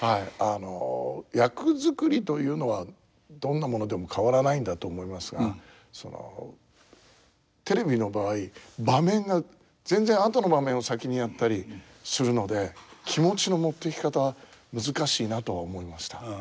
あの役作りというのはどんなものでも変わらないんだと思いますがそのテレビの場合場面が全然後の場面を先にやったりするので気持ちの持っていき方難しいなとは思いました。